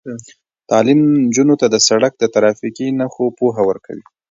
تعلیم نجونو ته د سړک د ترافیکي نښو پوهه ورکوي.